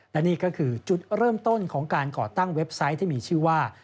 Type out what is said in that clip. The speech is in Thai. และนี่ก็คือจุดเริ่มต้นของการก่อตั้งเว็บไซต์ที่มีชื่อว่า